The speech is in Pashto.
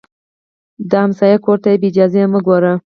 د ګاونډي کور ته بې اجازې مه ګوره